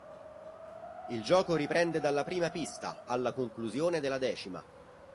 Il gioco riprende dalla prima pista alla conclusione della decima.